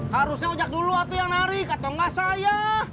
harusnya ojak dulu atau yang narik atau enggak saya